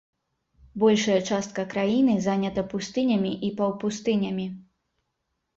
Большая частка краіны занята пустынямі і паўпустынямі.